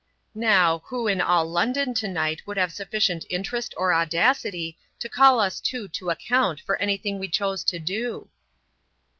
"Now, who in all London to night would have sufficient interest or audacity to call us two to account for anything we chose to do?"